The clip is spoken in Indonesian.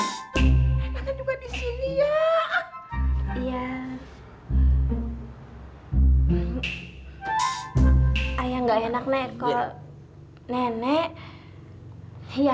makan juga disini ya